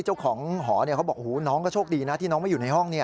เจ้าของหอเขาบอกน้องก็โชคดีนะที่น้องไม่อยู่ในห้อง